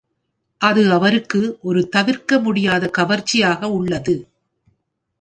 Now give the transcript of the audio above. அது அவருக்கு ஒரு தவிர்க்க முடியாத கவர்ச்சியாக உள்ளது.